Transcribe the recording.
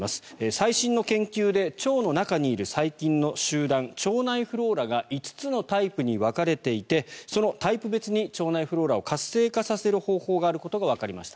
最新の研究で腸の中にいる細菌の集団腸内フローラが５つのタイプに分かれていてそのタイプ別に腸内フローラを活性化させる方法があることがわかりました。